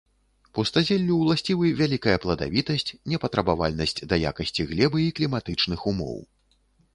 Пустазеллю ўласцівы вялікая пладавітасць, непатрабавальнасць да якасці глебы і кліматычных умоў.